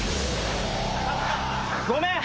ごめん！